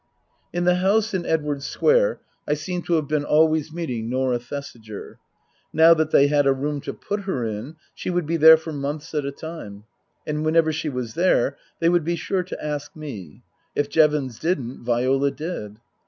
In the house in Edwardes Square I seem to have been always meeting Norah Thesiger. Now that they had a room to put her in, she would be there for months at a time. And whenever she was there they would be sure to ask me. If Jevons didn't, Viola did.